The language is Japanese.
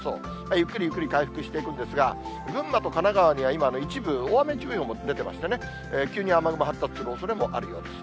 ゆっくりゆっくり回復していくんですが、群馬と神奈川では、今、一部大雨注意報も出てましてね、急に雨雲発達するおそれもあるようです。